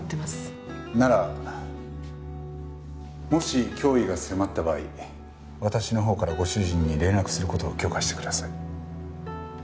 ならもし脅威が迫った場合私のほうからご主人に連絡する事を許可してください。